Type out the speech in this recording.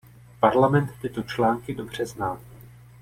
Parlament tyto články dobře zná.